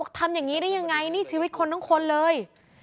ทำอย่างนี้ได้ยังไงนี่ชีวิตคนทั้งคนเลย